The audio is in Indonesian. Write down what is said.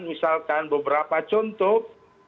misalkan beberapa contoh